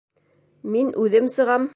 Мин үҙем сығам!